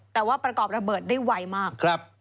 แต่ว่าประกอบระเบิดได้ไวมาก